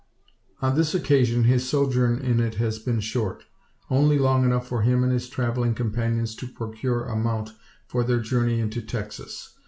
On this occasion his sojourn in it has been short; only long enough for him and his travelling companions to procure a mount for their journey into Texas.